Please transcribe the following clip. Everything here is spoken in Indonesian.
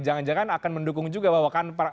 jangan jangan akan mendukung juga bahwa kan